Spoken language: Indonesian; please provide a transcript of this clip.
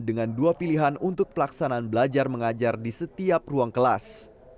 dengan dua pilihan untuk pelaksanaan belajar mengajar di setiap ruang kelas